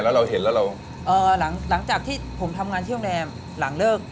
แล้วเราเห็นแล้วเราหลังจากที่ผมทำงานที่โรงแรมหลังเลิก